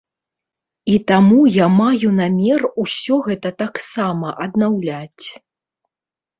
І таму я маю намер усё гэта таксама аднаўляць.